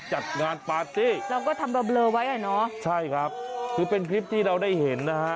ใช่ครับคือเป็นคลิปที่เราได้เห็นนะฮะ